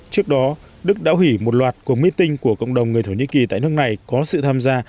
trước đó đức đã hủy một loạt cuộc meeting của cộng đồng người thổ nhĩ kỳ tại nước này có sự tham gia